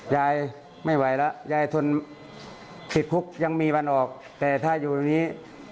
ยายไม่ไหวแล้วยายทนติดคุกยังมีวันออกแต่ถ้าอยู่ตรงนี้